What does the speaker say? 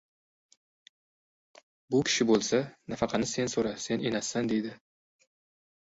«Bu kishi bo‘lsa, nafaqani sen so‘ra — sen enasisan», deydi».